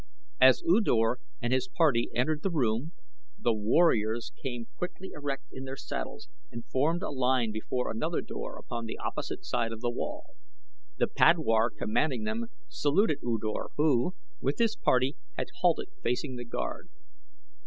As U Dor and his party entered the room, the warriors came quickly erect in their saddles and formed a line before another door upon the opposite side of the wall. The padwar commanding them saluted U Dor who, with his party, had halted facing the guard.